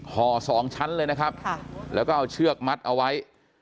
ห่อสองชั้นเลยนะครับแล้วก็เอาเชือกมัดเอาไว้